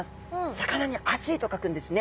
「魚」に「暑い」と書くんですね。